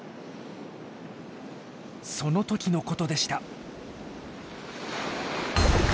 その時のことでした。